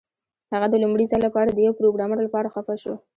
هغه د لومړي ځل لپاره د یو پروګرامر لپاره خفه شو